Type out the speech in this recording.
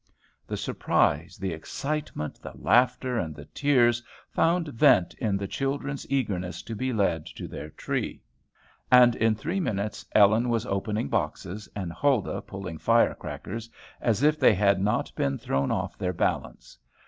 The surprise, the excitement, the laughter, and the tears found vent in the children's eagerness to be led to their tree; and, in three minutes, Ellen was opening boxes, and Huldah pulling fire crackers, as if they had not been thrown off their balance.